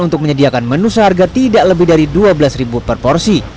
untuk menyediakan menu seharga tidak lebih dari dua belas per porsi